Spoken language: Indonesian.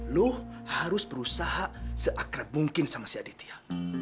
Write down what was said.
lo harus berusaha seakrab mungkin sama si aditya